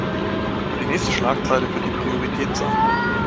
Und die nächste Schlagzeile wird die Priorität sein.